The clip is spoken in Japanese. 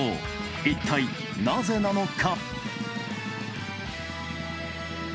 一体、ナゼなのか。